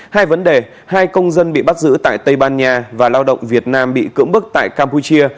hai vấn đề hai công dân bị bắt giữ tại tây ban nha và lao động việt nam bị cưỡng bức tại campuchia